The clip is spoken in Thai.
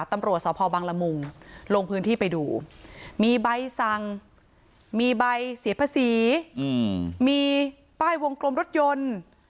ตำรวจสพบังละมุงลงพื้นที่ไปดูมีใบสั่งมีใบเสียภาษีมีป้ายวงกลมรถยนต์